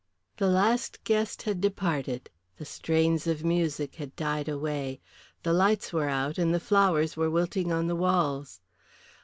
The last guest had departed, the strains of music had died away. The lights were out, and the flowers were wilting on the walls.